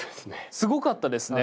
すごかったですね。